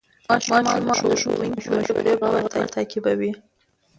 ماشومان د ښوونکي مشورې په غور تعقیبوي